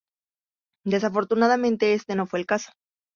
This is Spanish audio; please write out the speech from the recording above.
Desafortunadamente, este no fue el caso.